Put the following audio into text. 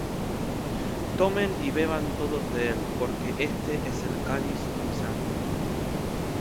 Tomen y beban todos de él, porque éste es el cáliz de mi sangre,